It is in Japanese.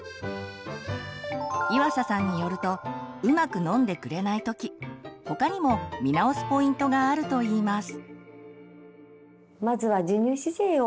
岩佐さんによるとうまく飲んでくれない時他にも見直すポイントがあると言います。